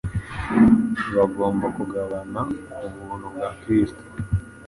Bagomba kugabana ku buntu bwa Kristo